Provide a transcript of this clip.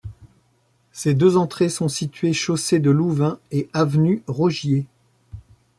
Ses deux entrées sont situées chaussée de Louvain et avenue Rogier.